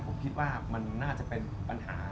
ผมคิดว่ามันน่าจะเป็นปัญหา